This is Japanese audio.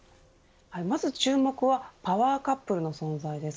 まず注目はパワーカップルの存在です。